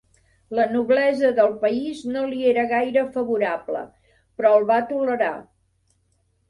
La noblesa del país no li era gaire favorable, però el va tolerar.